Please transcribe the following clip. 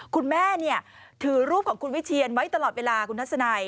คุณแม่ถือรูปของคุณวิเทียนไว้ตลอดเวลาคุณทัศนัย